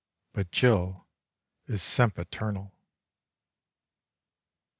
but Jill is sempiternal.